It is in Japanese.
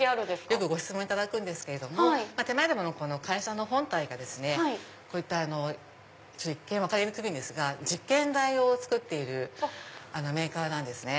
よくご質問いただくんですけども手前どもの会社の本体がこういった一見分かりにくいんですが実験台を作っているメーカーなんですね。